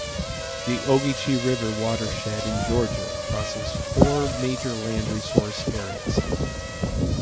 The Ogeechee River watershed in Georgia crosses four major land resource areas.